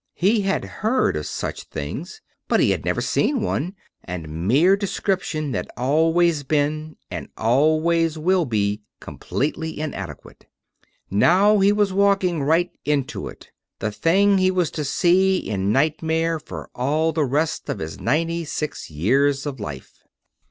He had heard of such things, but he had never seen one; and mere description has always been and always will be completely inadequate. Now he was walking right into it the thing he was to see in nightmare for all the rest of his ninety six years of life.